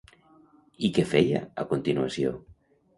I què feia, a continuació?